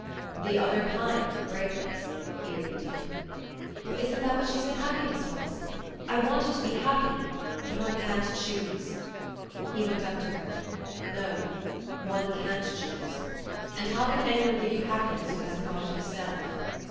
"The other kind of greatness?" he repeated. "Well, isn't that what you said happiness was? I wanted to be happy... but one can't choose." He went up to her. "No, one can't choose. And how can anyone give you happiness who hasn't got it himself?"